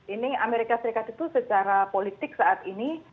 ini amerika serikat itu secara politik saat ini